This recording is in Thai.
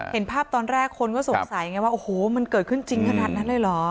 เห็นภาพตอนแรกคนก็สงสัยไงว่าโอ้โหมันเกิดขึ้นจริงขนาดนั้นเลยเหรอ